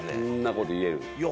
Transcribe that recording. そんなこと言えるの？